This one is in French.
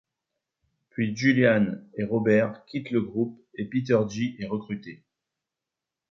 Puis Julian et Robert quittent le groupe et Peter Gee est recruté.